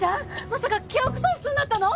まさか記憶喪失になったの！？